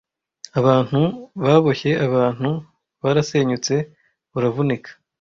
Abantu baboshye abantu barasenyutse; uravunika